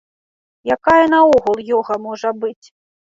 Якая наогул ёга можа быць?